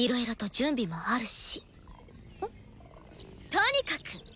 とにかく！